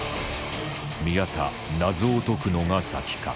宮田謎を解くのが先か？